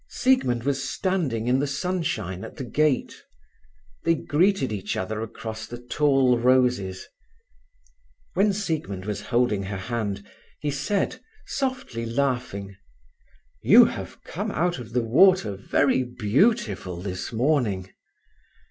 Siegmund was standing in the sunshine at the gate. They greeted each other across the tall roses. When Siegmund was holding her hand, he said, softly laughing: "You have come out of the water very beautiful this morning."